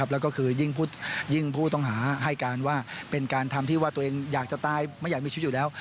แล้วก็ยิ่งผู้ต้องหาให้การว่าทำที่ไม่อยากจะตายไม่ยากจะมีชีวิตอยู่แล้ว